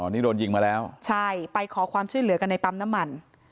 นี่โดนยิงมาแล้วใช่ไปขอความช่วยเหลือกันในปั๊มน้ำมัน